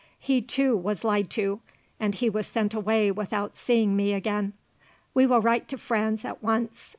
He, too, was lied to, and he was sent away without seeing me again. We will write to Franz at once.